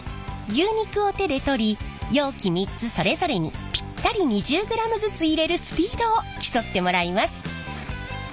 牛肉を手で取り容器３つそれぞれにぴったり２０ｇずつ入れるスピードを競ってもらいます。